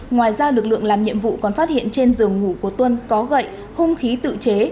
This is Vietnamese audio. ngoài ra lực lượng làm nhiệm vụ còn phát hiện trên giường ngủ của tuân có gậy hung khí tự chế